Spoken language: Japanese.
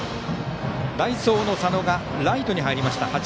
代走の佐野がライトに入りました。